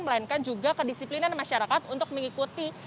melainkan juga kedisiplinan masyarakat untuk mengikuti